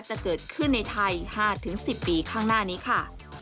จะเกิดขึ้นในไทย๕๑๐ปีข้างหน้านี้ค่ะ